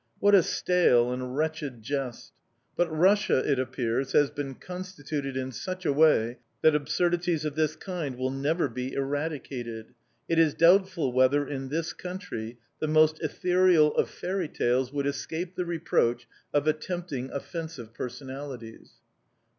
What a stale and wretched jest! But Russia, it appears, has been constituted in such a way that absurdities of this kind will never be eradicated. It is doubtful whether, in this country, the most ethereal of fairy tales would escape the reproach of attempting offensive personalities.